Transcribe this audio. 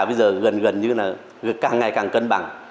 bây giờ gần gần như là càng ngày càng cân bằng